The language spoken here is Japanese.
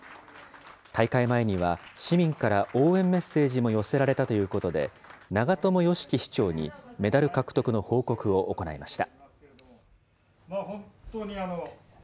大会前には市民から応援メッセージも寄せられたということで、長友貴樹市長にメダル獲得の報告を行いました。